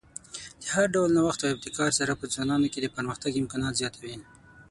د هر ډول نوښت او ابتکار سره په ځوانانو کې د پرمختګ امکانات زیاتوي.